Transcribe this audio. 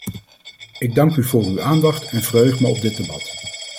Ik dank u voor uw aandacht en verheug me op dit debat.